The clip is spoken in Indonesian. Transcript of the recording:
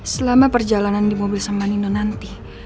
selama perjalanan di mobil sama nino nanti